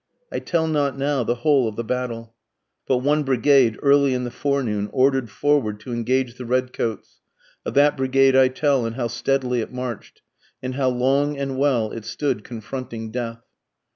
I tell not now the whole of the battle, But one brigade early in the forenoon order'd forward to engage the red coats, Of that brigade I tell, and how steadily it march'd, And how long and well it stood confronting death.